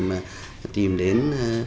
mà tìm đến